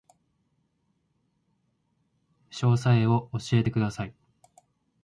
詳細を教えてください